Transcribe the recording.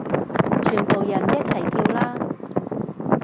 全部人一齊跳啦